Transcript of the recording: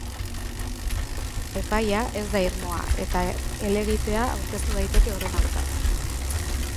Epaia ez da irmoa eta helegitea aurkez daiteke horren aurka.